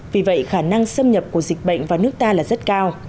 vì vậy khả năng xâm nhập của dịch bệnh vào nước ta là rất cao